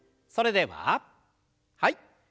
それでははい。